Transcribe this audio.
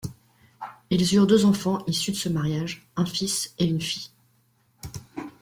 Ils eurent deux enfants issus de ce mariage, un fils et une fille.